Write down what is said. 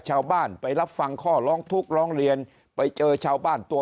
ชาวบ้านไปรับฟังข้อร้องทุกข์ร้องเรียนไปเจอชาวบ้านตัว